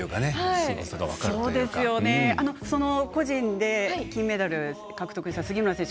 個人で、金メダル獲得した杉村選手